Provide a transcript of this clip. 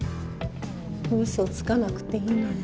嘘つかなくていいのよ